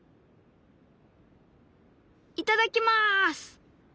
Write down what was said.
いただきます！